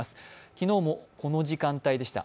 昨日もこの時間帯でした。